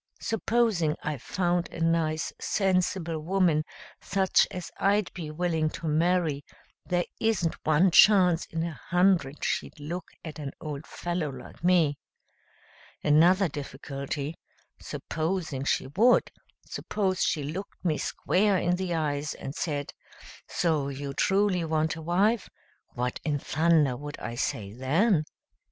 Supposing I found a nice, sensible woman, such as I'd be willing to marry, there isn't one chance in a hundred she'd look at an old fellow like me. Another difficulty: Supposing she would; suppose she looked me square in the eyes and said, 'So you truly want a wife?' what in thunder would I say then?